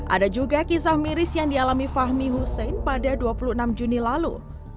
ada juga kisah miris yang dialami fahmi hussein pada dua puluh enam juni lalu